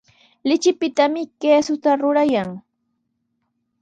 Lichipitami kiisuta rurayan.